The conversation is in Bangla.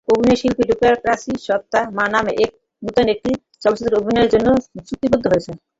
অভিনয়শিল্পী রোকেয়া প্রাচী সত্তা নামে নতুন একটি চলচ্চিত্রে অভিনয়ের জন্য চুক্তিবদ্ধ হয়েছেন।